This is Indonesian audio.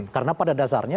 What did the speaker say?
karena pada dasarnya